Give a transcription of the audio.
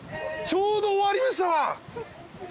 ちょうど終わりましたわ。